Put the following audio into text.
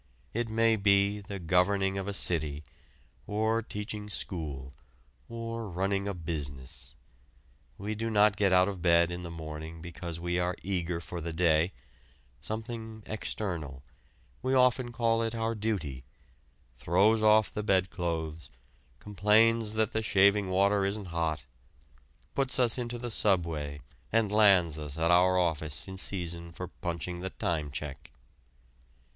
It may be the governing of a city, or teaching school, or running a business. We do not get out of bed in the morning because we are eager for the day; something external we often call it our duty throws off the bed clothes, complains that the shaving water isn't hot, puts us into the subway and lands us at our office in season for punching the time check.